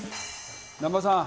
難破さん。